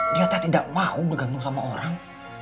dia tak tidak mau bergantung sama orang